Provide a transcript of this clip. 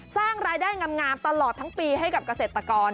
สร้างรายได้งามตลอดทั้งปีให้กับเกษตรกร